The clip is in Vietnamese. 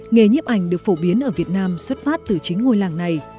nghề nhiếp ảnh được phổ biến ở việt nam xuất phát từ chính ngôi làng này